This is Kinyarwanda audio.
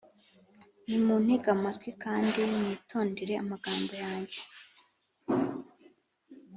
nimuntege amatwi kandi mwitondere amagambo yanjye